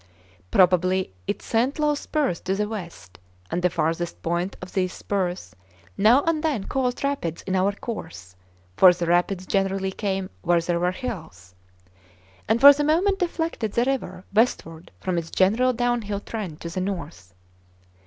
Probably it sent low spurs to the west, and the farthest points of these spurs now and then caused rapids in our course (for the rapids generally came where there were hills) and for the moment deflected the river westward from its general downhill trend to the north.